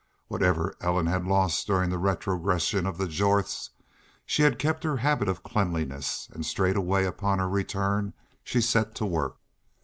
Whatever Ellen had lost during the retrogression of the Jorths, she had kept her habits of cleanliness, and straightway upon her return she set to work.